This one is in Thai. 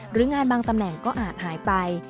หรืองานบางตำแหน่งก็อาจหายไป